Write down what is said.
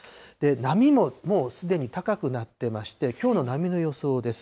波ももうすでに高くなってまして、きょうの波の予想です。